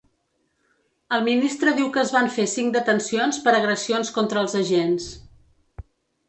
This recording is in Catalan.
El ministre diu que es van fer cinc detencions per agressions contra els agents.